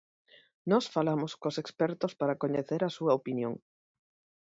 Nós falamos cos expertos para coñecer a súa opinión.